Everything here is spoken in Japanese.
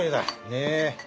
ねえ。